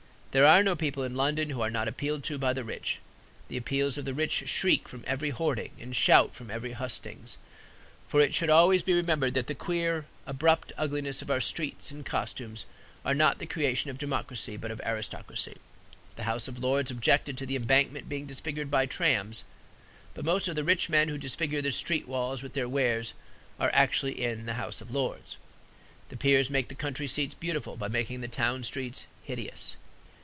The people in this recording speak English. There are no people in London who are not appealed to by the rich; the appeals of the rich shriek from every hoarding and shout from every hustings. For it should always be remembered that the queer, abrupt ugliness of our streets and costumes are not the creation of democracy, but of aristocracy. The House of Lords objected to the Embankment being disfigured by trams. But most of the rich men who disfigure the street walls with their wares are actually in the House of Lords. The peers make the country seats beautiful by making the town streets hideous.